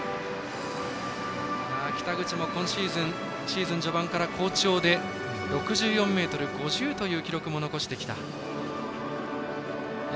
北口も今シーズンはシーズン序盤から好調で６４ｍ５０という記録も残してきました。